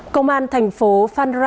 công an thành phố phan rang tháp trị